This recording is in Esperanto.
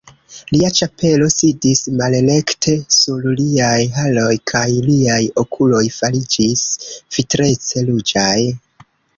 Lia ĉapelo sidis malrekte sur liaj haroj kaj liaj okuloj fariĝis vitrece ruĝaj.